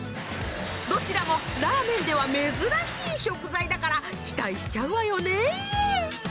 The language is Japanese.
どちらもラーメンでは珍しい食材だから期待しちゃうわよね。